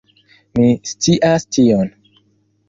Mi scias tion.